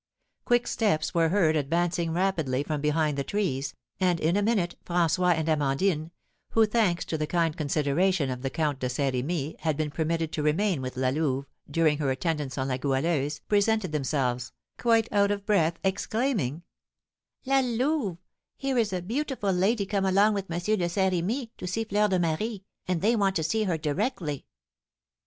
Quick steps were heard advancing rapidly from behind the trees, and in a minute François and Amandine (who, thanks to the kind consideration of the Count de Saint Remy, had been permitted to remain with La Louve, during her attendance on La Goualeuse) presented themselves, quite out of breath, exclaiming: "La Louve, here is a beautiful lady come along with M. de Saint Remy to see Fleur de Marie, and they want to see her directly!"